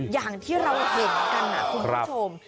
อย่างที่เราเห็นกันคุณผู้ชม